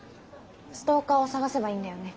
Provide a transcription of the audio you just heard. ストーカーを捜せばいいんだよね？